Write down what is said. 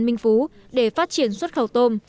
minh phú để phát triển xuất khẩu tôm